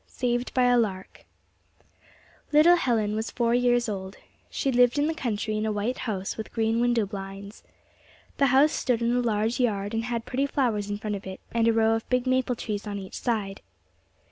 SAVED BY A LARK Little Helen was four years old. She lived in the country in a white house with green window blinds. The house stood in a large yard, and had pretty flowers in front of it and a row of big maple trees on each side.